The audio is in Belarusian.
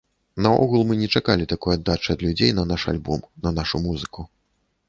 Наогул, мы не чакалі такой аддачы ад людзей на наш альбом, на нашу музыку.